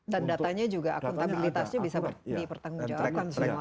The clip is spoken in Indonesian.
dan datanya juga akuntabilitasnya bisa dipertanggungjawabkan semua kan